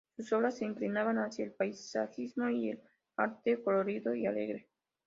Sus obras se inclinaban hacia el paisajismo y el arte colorido y alegre.